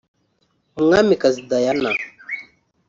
umwamikazi Diana